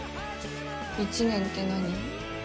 １年って何？